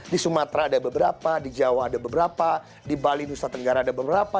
di sumatera ada beberapa di jawa ada beberapa di bali nusa tenggara ada beberapa